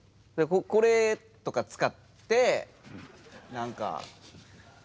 これとか使って何か。